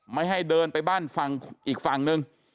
ไม่ให้เดินไปบ้านฝั่งอีกฝั่งนึง